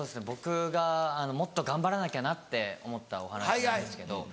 僕がもっと頑張らなきゃなって思ったお話なんですけど。